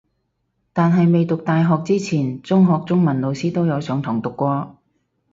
但係未讀大學之前中學中文老師都有上堂讀過